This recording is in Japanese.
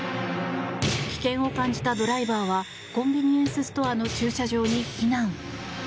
危険を感じたドライバーはコンビニエンスストアの駐車場に避難。